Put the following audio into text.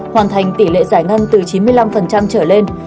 hoàn thành tỷ lệ giải ngân từ chín mươi năm trở lên